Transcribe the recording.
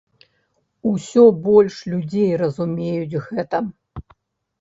Усё больш людзей разумеюць гэта.